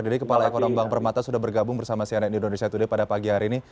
jadi kepala ekonomi bank permata sudah bergabung bersama si anak indonesia today pada pagi hari ini